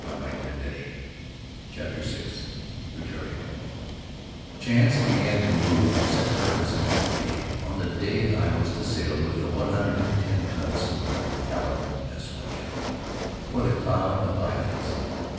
^ Rutiaro CHAPTER VI Rutiaro HANCE began to move of set purpose in Papeete, on the day I was to sail with the one hundred and ten ton schooner, Caleb S. Winship, for the Cloud of 5\1 Islands.